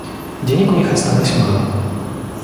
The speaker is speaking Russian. Денег у них осталось мало.